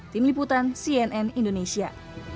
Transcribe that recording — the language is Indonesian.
tim liputan cnn indonesia